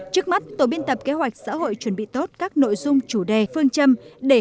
trước mắt tổ biên tập kế hoạch xã hội chuẩn bị tốt các nội dung chủ đề phương châm để